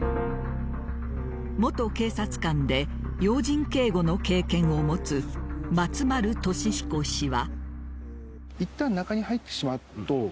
元警察官で要人警護の経験を持つ松丸俊彦氏は。